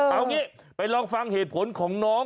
เอางี้ไปลองฟังเหตุผลของน้อง